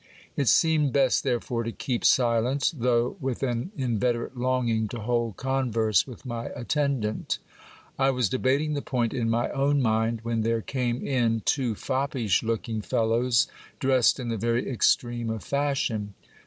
It seemed best therefore to keep silence, though with an inveterate longing to hold converse with my attendant. I was debating the point in my own mind, when there came in two foppish looking fellows, dressed in the very extreme of fashion.